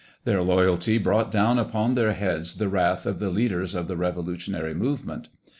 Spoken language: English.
Their loyalty brought down upon their heads the wrath of the leaders of the revolutionary movement.